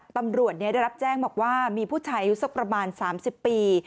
ตำรวจได้รับแจ้งบอกว่ามีผู้ชายอายุสักประมาณ๓๐ปี